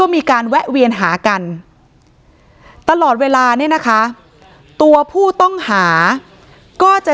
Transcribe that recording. มีการแวะเวียนหากันตลอดเวลาเนี่ยนะคะตัวผู้ต้องหาก็จะ